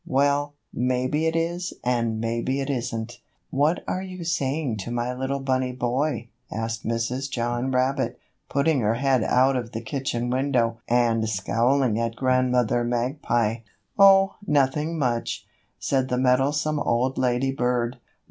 Well, maybe it is and maybe it isn't. "What are you saying to my little bunny boy?" asked Mrs. John Rabbit, putting her head out of the kitchen window and scowling at Grandmother Magpie. "Oh, nothing much," said that meddlesome old lady bird.